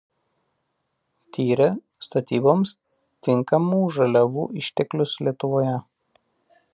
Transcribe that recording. Tyrė statyboms tinkamų žaliavų išteklius Lietuvoje.